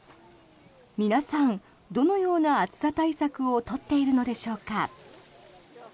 皆さん、どのような暑さ対策を取っているのでしょうか。